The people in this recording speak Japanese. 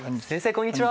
こんにちは。